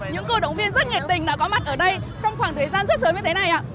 những cổ động viên rất nhiệt tình đã có mặt ở đây trong khoảng thời gian rất sớm như thế này ạ